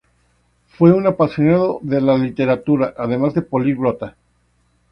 Fue un apasionado de la literatura, además de políglota.